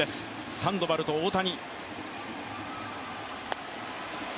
サンドバルと大谷。